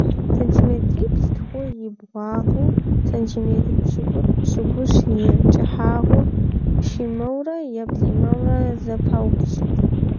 Сантиметриплӏ-тху и бгъуагъыу, сантиметр пщыкӏутӏ-пщыкӏущ и кӀыхьагъыу щимэурэ е плӀимэурэ зэпаупщӀ.